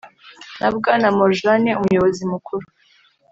na bwana morjane, umuyobozi mukuru